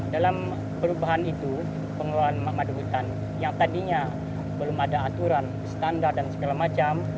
dalam perubahan itu pengelolaan madu hutan yang tadinya belum ada aturan standar dan segala macam